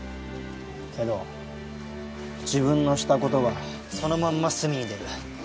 けど自分のしたことがそのまんま炭に出る。